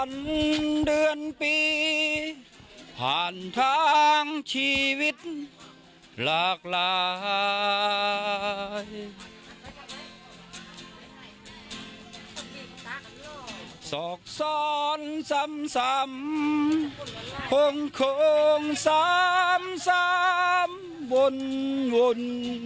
เพื่อนคุณสมผมคงสามสามวลวล